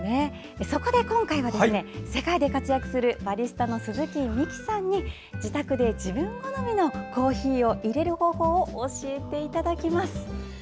そこで今回は世界で活躍するバリスタの鈴木樹さんに自宅で自分好みのコーヒーをいれる方法を教えていただきます。